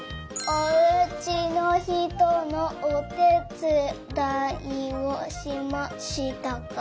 「おうちのひとのおてつだいをしましたか」。